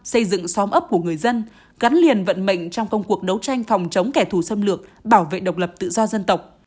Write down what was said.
xây dựng xóm ấp của người dân gắn liền vận mệnh trong công cuộc đấu tranh phòng chống kẻ thù xâm lược bảo vệ độc lập tự do dân tộc